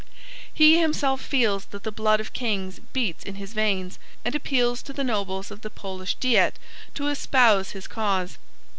He himself feels that the blood of kings beats in his veins, and appeals to the nobles of the Polish Diet to espouse his cause.